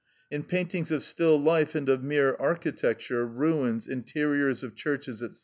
In paintings of still life, and of mere architecture, ruins, interiors of churches, &c.